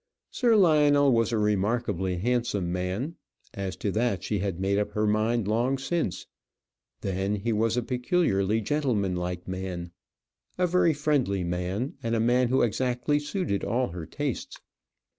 Sir Lionel was a remarkably handsome man; as to that she had made up her mind long since: then he was a peculiarly gentlemanlike man, a very friendly man, and a man who exactly suited all her tastes.